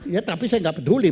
ya tapi saya nggak peduli